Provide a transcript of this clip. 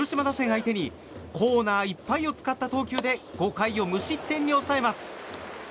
相手にコーナーいっぱいを使った投球で５回を無失点に抑えます。